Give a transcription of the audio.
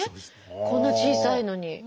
こんな小さいのに。